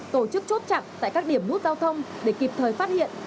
tổ chức chốt chặn tại các điểm nút giao thông để kịp thời phát hiện